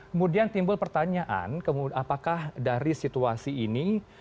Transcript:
kemudian timbul pertanyaan apakah dari situasi ini